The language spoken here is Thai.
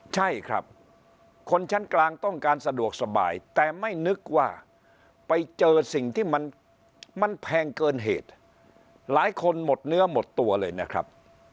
ใช่ครับคนชั้นกลางต้องการสะดวกสบายแต่ไม่นึกว่าไปเจอสิ่งที่มันแพงเกินเหตุหลายคนหมดเนื้อหมดตัวเลยนะครับ